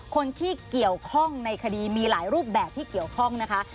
คนที่เกี่ยวข้องในคดีมีหลายรูปแบบที่เกี่ยวข้องนะคะ